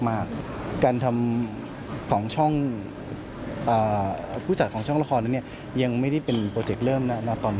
มากการทำของช่องผู้จัดของช่องละครนั้นเนี่ยยังไม่ได้เป็นโปรเจกต์เริ่มนะตอนนี้